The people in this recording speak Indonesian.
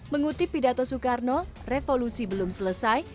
mengutip pidato soekarno revolusi belum selesai